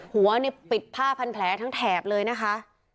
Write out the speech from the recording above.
หัวนี่ปิดผ้าพันแผลทั้งแถบเลยนะคะ